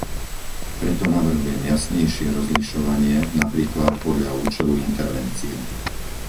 Preto navrhujem jasnejšie rozlišovanie, napríklad podľa účelu intervencie.